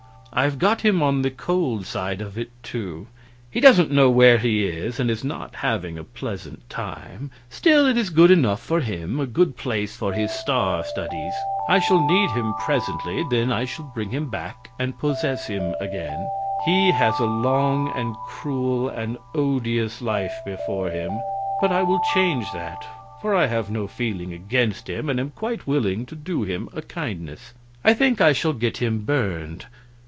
"I've got him on the cold side of it, too. He doesn't know where he is, and is not having a pleasant time; still, it is good enough for him, a good place for his star studies. I shall need him presently; then I shall bring him back and possess him again. He has a long and cruel and odious life before him, but I will change that, for I have no feeling against him and am quite willing to do him a kindness. I think I shall get him burned."